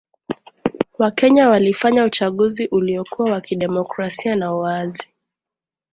Wakenya walifanya uchaguzi uliokuwa wa kidemokrasia na uwazi